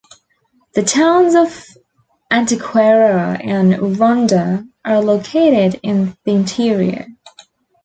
The towns of Antequera and Ronda are located in the interior.